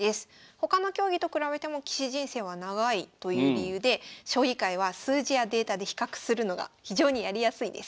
他の競技と比べても棋士人生は長いという理由で将棋界は数字やデータで比較するのが非常にやりやすいです。